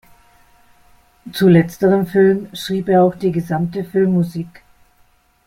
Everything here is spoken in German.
Zu letzterem Film schrieb er auch die gesamte Filmmusik.